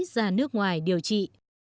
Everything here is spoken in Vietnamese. ra nước ngoài điều trị